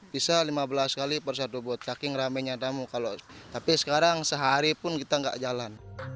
bisa lima belas kali per satu bot caking rame nyatamu kalau tapi sekarang sehari pun kita gak jalan